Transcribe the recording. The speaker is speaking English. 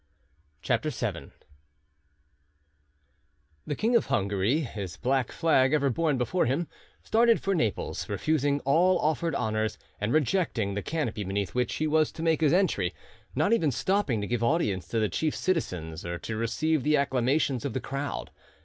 CHAPTER VII The King of Hungary, his black flag ever borne before him, started for Naples, refusing all offered honours, and rejecting the canopy beneath which he was to make his entry, not even stopping to give audience to the chief citizens or to receive the acclamations of the crowd.